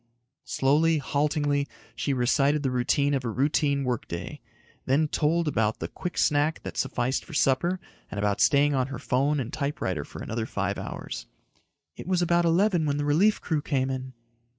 Slowly, haltingly, she recited the routine of a routine work day, then told about the quick snack that sufficed for supper and about staying on her phone and typewriter for another five hours. "It was about eleven when the relief crew came in."